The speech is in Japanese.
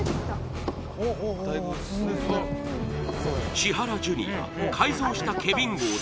千原ジュニア改造したケビン号で